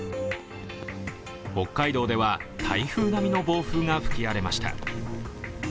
北海道では台風並みの暴風が吹き荒れました。